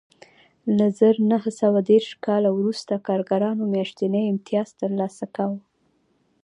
له زر نه سوه دېرش کال وروسته کارګرانو میاشتنی امتیاز ترلاسه کاوه